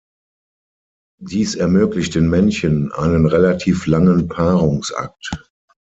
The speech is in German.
Dies ermöglicht den Männchen einen relativ langen Paarungsakt.